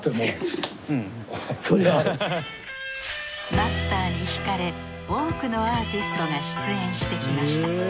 マスターにひかれ多くのアーティストが出演してきました。